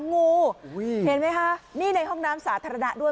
งูเห็นไหมคะนี่ในห้องน้ำสาธารณะด้วย